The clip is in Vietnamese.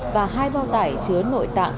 và hai bao tải chứa nội tạng